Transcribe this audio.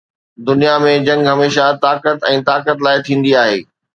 دنيا ۾ جنگ هميشه طاقت ۽ طاقت لاءِ ٿيندي آهي.